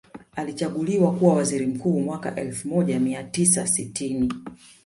Alichaguliwa kuwa waziri mkuu mwaka elfu moja mia tisa sitini